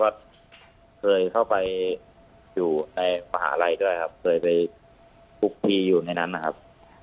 ก็เคยเข้าไปอยู่ในมหาลัยด้วยครับเคยไปคุกคีอยู่ในนั้นนะครับ